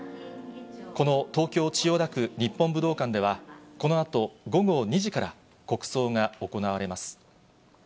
この東京・千代田区、日本武道館では、このあと午後２時から、国葬が行われます。